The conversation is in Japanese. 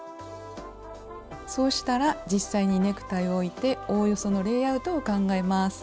そうしたら実際にネクタイを置いておおよそのレイアウトを考えます。